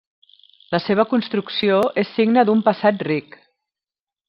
La seva construcció és signe d'un passat ric.